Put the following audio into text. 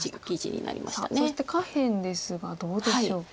そして下辺ですがどうでしょうか。